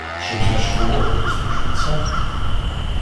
Щоб значкового дослужиться